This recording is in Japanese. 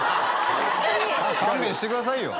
勘弁してくださいよ。